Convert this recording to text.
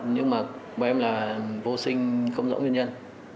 nhưng mà bọn em là vô sinh không rõ nguyên nhân